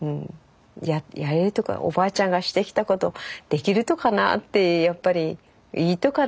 やれるとかなおばあちゃんがしてきたことできるとかな？ってやっぱりいいとかな？